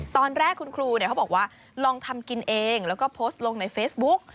ตอนแรกคุณครูเขาบอกว่าลองทำกินเองแล้วก็โพสต์ลงในเฟซบุ๊ก